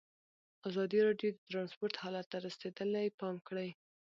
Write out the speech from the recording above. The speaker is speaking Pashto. ازادي راډیو د ترانسپورټ حالت ته رسېدلي پام کړی.